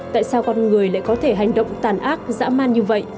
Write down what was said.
tại sao con người lại có thể hành động tàn ác dã man như vậy